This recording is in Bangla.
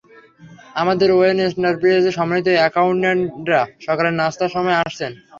আমাদের ওয়েন এন্টারপ্রাইজের সম্মানিত অ্যাকাউনট্যান্টরা সকালের নাস্তার সময়ে আসছেন।